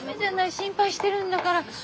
心配してるんだから。